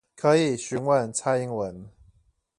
可以詢問蔡英文